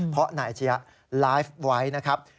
เพราะนายอาชียะไลฟ์ไว้นะครับ